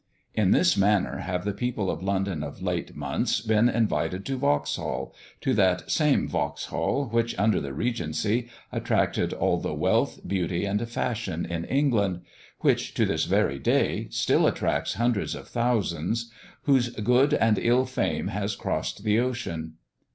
In this manner have the people of London of late months been invited to Vauxhall to that same Vauxhall, which, under the Regency, attracted all the wealth, beauty, and fashion in England which, to this very day, still attracts hundreds of thousands; whose good and ill fame has crossed the ocean.